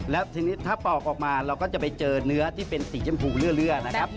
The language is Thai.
แล้วทีนี้ถ้าปอกออกมาเราก็จะไปเจอเนื้อที่เป็นสีชมพูเลื่อนะครับ